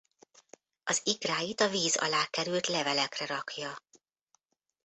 Az ikráit a víz alá került levelekre rakja.